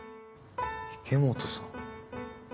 池本さん。